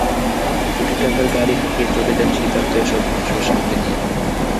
কোটি টাকার গাড়ি হাঁকিয়ে চলে যান শীতার্ত এসব মানুষের সামনে দিয়ে।